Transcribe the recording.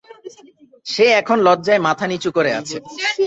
সে এখন লজ্জায় মাথা নিচু করে আছে!